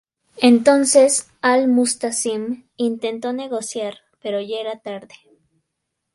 Entonces Al-Musta'sim intentó negociar, pero ya era tarde.